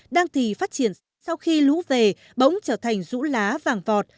đang thì phát triển sau khi lũ về bỗng trở thành rũ lá vàng vọt